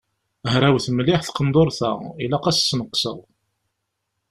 Hrawet mliḥ tqendurt-a, ilaq ad as-sneqseɣ.